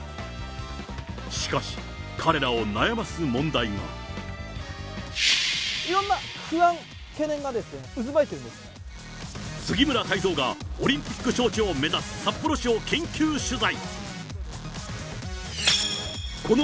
しかし、いろんな不安、懸念が渦巻い杉村太蔵が、オリンピック招致を目指す札幌市を緊急取材。